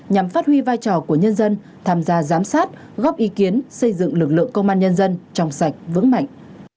nhằm phát huy vai trò của nhân dân tham gia giám sát góp ý kiến xây dựng lực lượng công an nhân dân trong sạch vững mạnh